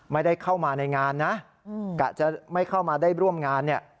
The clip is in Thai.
ไม่ได้เข้ามาในงานนะกะจะไม่เข้ามาได้ร่วมงานเนี่ย